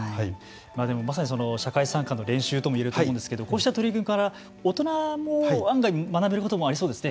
でも、まさに社会参加の練習とも言えると思うんですけどこうした取り組みから大人も案外学べることもありそうですね。